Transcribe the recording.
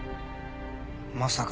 まさか。